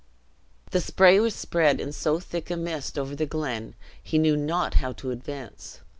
The spray was spread in so thick a mist over the glen, he knew not how to advance.